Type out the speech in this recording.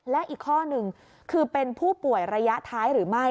และอีกข้อหนึ่งคือเป็นผู้ป่วยระยะท้ายหรือไม่